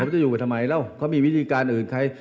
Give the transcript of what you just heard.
ผมจะอยู่ไปทำไมแล้วเขามีวิธีการอื่น